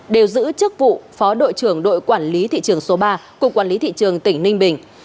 đều giữ chức vụ phó đội trưởng đội quản lý thị trường số ba cục quản lý thị trường tỉnh ninh bình